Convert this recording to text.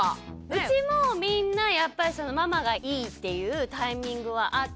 うちもみんなやっぱりそのママがいいっていうタイミングはあって。